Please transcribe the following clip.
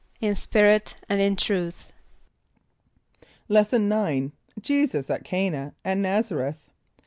=In spirit and in truth.= Lesson IX. Jesus at Cana and Nazareth.